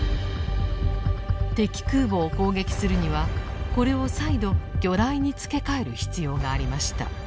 敵空母を攻撃するにはこれを再度魚雷に付け替える必要がありました。